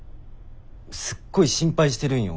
すっごい心配してるんよ